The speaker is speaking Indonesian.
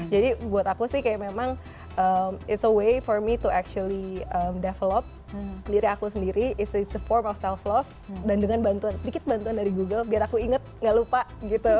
jadi buat aku sih kayak memang it's a way for me to actually develop diri aku sendiri it's a form of self love dan dengan bantuan sedikit bantuan dari google biar aku inget gak lupa gitu